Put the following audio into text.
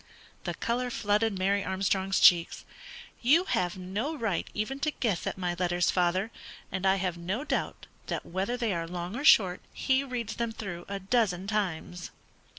'" The colour flooded Mary Armstrong's cheeks. "You have no right even to guess at my letters, father, and I have no doubt that whether they are long or short, he reads them through a dozen times."